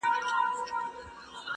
پتڼ خو نه یم چي د عقل برخه نه لرمه!!